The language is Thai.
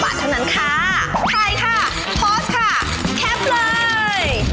ถ่ายค่ะพอสค่ะแคบเลย